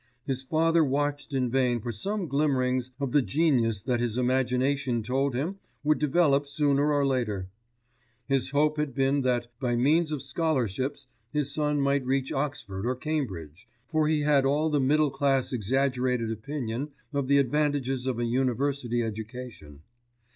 His father watched in vain for some glimmerings of the genius that his imagination told him would develop sooner or later. His hope had been that, by means of scholarships, his son might reach Oxford or Cambridge, for he had all the middle class exaggerated opinion of the advantages of a University education.